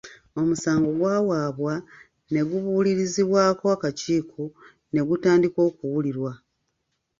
Omusango gwawaabwa, ne gubuulirizibwako akakiiko ne gutandika okuwulirwa.